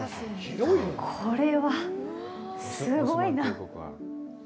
これはすごいな。